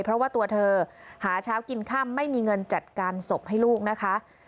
เพราะว่าตัวเธอหาเช้ากินค่ำไม่มีเงินจัดการศพให้ลูกนะคะ